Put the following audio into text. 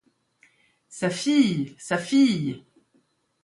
Sa fille, sa fille!